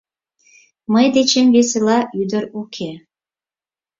Мый дечем весела ӱдыр уке.